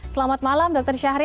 selamat malam dr syahril